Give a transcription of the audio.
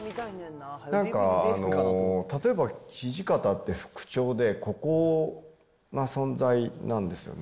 なんか例えば土方って副長で、孤高な存在なんですよね。